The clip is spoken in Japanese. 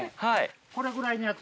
これぐらいのやつ。